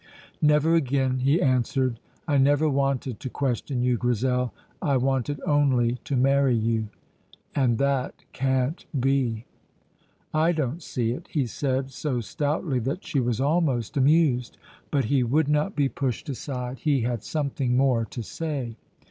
"Never again," he answered. "I never wanted to question you, Grizel. I wanted only to marry you." "And that can't be." "I don't see it," he said, so stoutly that she was almost amused. But he would not be pushed aside. He had something more to say.